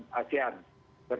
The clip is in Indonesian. maupun dengan un dan asean